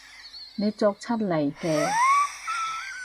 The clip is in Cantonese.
你作出嚟嘅